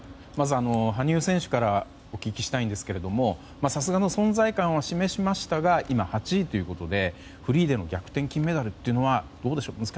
まず羽生選手からお聞きしたいんですけどさすがの存在感を示しましたが今、８位ということでフリーでの逆転金メダルはどうでしょう。